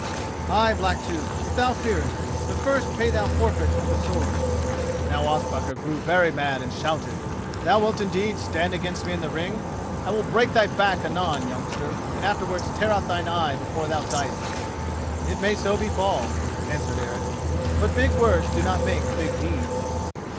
"Ay, Blacktooth, if thou fearest; but first pay thou forfeit of the sword." Now Ospakar grew very mad and shouted, "Thou wilt indeed stand against me in the ring! I will break thy back anon, youngster, and afterwards tear out thine eye before thou diest." "It may so befall," answered Eric, "but big words do not make big deeds."